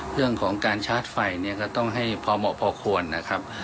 เรื่องของการชาร์จไฟเนี่ยก็ต้องให้พอเหมาะพอควรนะครับ